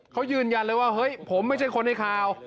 เขายืนยันเลยว่าเฮ้ยผมไม่ใช่คนในข่าว